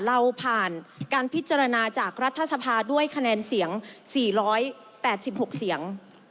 เราผ่านการพิจารณาจากรัฐสภาด้วยคะแนนเสียงสี่ร้อยแปดสิบหกเสียง